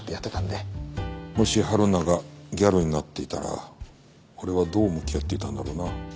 もし春菜がギャルになっていたら俺はどう向き合っていたんだろうな。